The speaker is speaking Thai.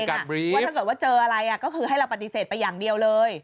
ว่าถ้าเกิดว่าเจออะไรก็คือให้เราปฏิเสธไปอย่างเดียวเลย